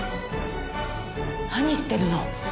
何言ってるの？